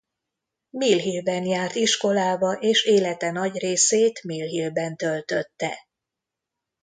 Mill Hillben járt iskolába és élete nagy részét Mill Hillben töltötte.